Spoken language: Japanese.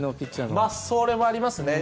それもありますね。